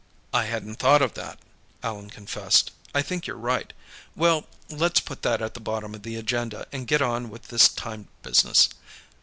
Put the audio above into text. "I hadn't thought of that," Allan confessed. "I think you're right. Well, let's put that at the bottom of the agenda and get on with this time business.